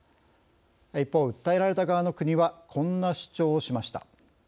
一方、訴えられた側の国はこんな主張をしました。